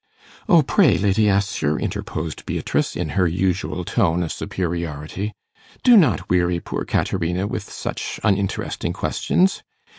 'O pray, Lady Assher,' interposed Beatrice, in her usual tone of superiority, 'do not weary poor Caterina with such uninteresting questions.